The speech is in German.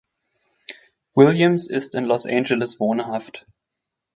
Williams ist in Los Angeles wohnhaft.